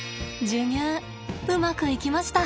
授乳うまくいきました。